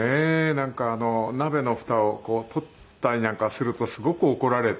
なんか鍋の蓋をこう取ったりなんかするとすごく怒られて。